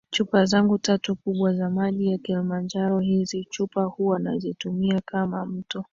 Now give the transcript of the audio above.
chupa zangu tatu kubwa za maji ya Kilimanjaro Hizi chupa huwa nazitumia kama mto